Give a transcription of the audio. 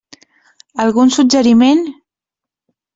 Algun suggeriment?